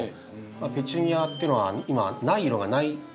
ペチュニアっていうのは今ない色がないぐらいですね